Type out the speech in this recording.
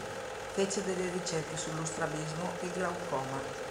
Fece delle ricerche sullo strabismo e glaucoma.